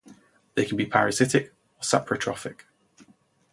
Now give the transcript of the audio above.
They can be parasitic or saprotrophic.